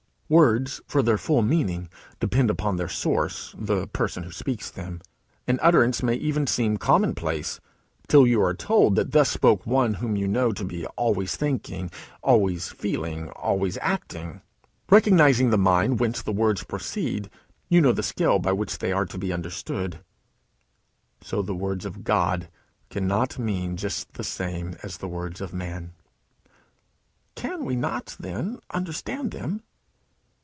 Words for their full meaning depend upon their source, the person who speaks them. An utterance may even seem commonplace, till you are told that thus spoke one whom you know to be always thinking, always feeling, always acting. Recognizing the mind whence the words proceed, you know the scale by which they are to be understood. So the words of God cannot mean just the same as the words of man. "Can we not, then, understand them?"